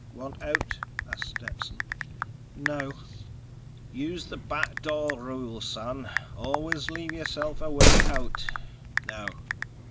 "Want out?" asked Stetson. "No." "Use the back door rule, son. Always leave yourself a way out. Now